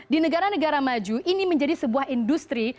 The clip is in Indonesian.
di negara negara maju ini menjadi sebuah industri